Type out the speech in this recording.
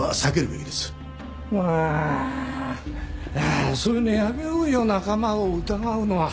ああそういうのやめようよ仲間を疑うのは。